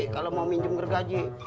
kalau mau minjem gergaji